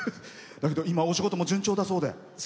今、お仕事も順調だそうで。